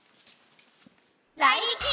ライリキ！